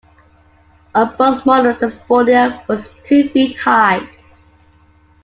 On both models, the spoiler was two feet high.